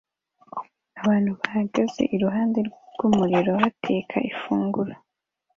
abantu bahagaze iruhande rw'umuriro bateka ifunguro